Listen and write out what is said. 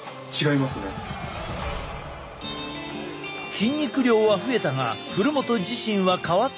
筋肉量は増えたが古元自身は変わったのか？